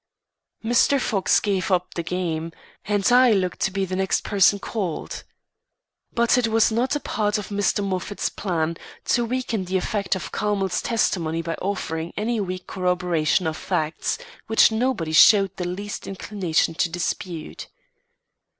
Mr. Fox gave up the game, and I looked to be the next person called. But it was not a part of Mr. Moffat's plan to weaken the effect of Carmel's testimony by offering any weak corroboration of facts which nobody showed the least inclination to dispute.